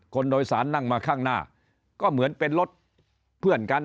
คนโดยสารนั่งมาข้างหน้าก็เหมือนเป็นรถเพื่อนกัน